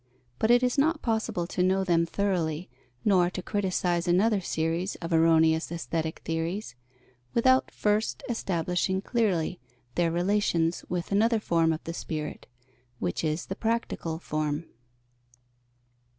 But it is not possible to know them thoroughly, nor to criticize another series of erroneous aesthetic theories, without first establishing clearly their relations with another form of the spirit, which is the practical form.